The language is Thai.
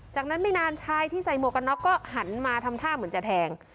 จากนั้นไม่นานชายที่ใส่หมวกกันน็อกก็หันมาทำท่าเหมือนจะแทง